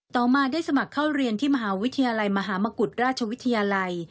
ต่อมาได้สมัครเข้าเรียนที่มหาวิทยาลัยมหามกุฎราชวิทยาลัย